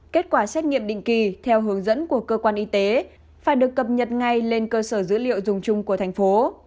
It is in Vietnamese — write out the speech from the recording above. kết quả xét nghiệm định kỳ theo hướng dẫn của cơ quan y tế phải được cập nhật ngay lên cơ sở dữ liệu dùng chung của thành phố